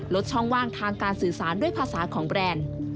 ลดช่องว่างทางการสื่อสารด้วยภาษาของแบรนด์